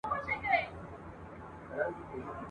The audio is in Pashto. استادان مي زندانونو ته لېږلي !.